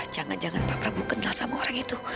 jangan jangan pak prabowo kenal sama orang itu